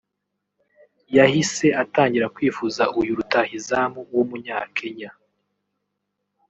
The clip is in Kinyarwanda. yahise atangira kwifuza uyu rutahizamu w’Umunyakenya